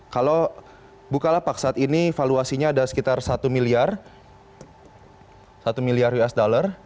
kalau bukalapak saat ini valuasinya ada sekitar satu miliar satu miliar usd